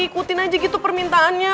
ikutin aja gitu permintaannya